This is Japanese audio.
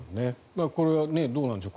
これはどうなんでしょう